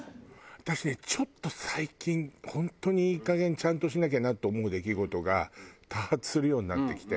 私ねちょっと最近本当にいいかげんちゃんとしなきゃなと思う出来事が多発するようになってきて。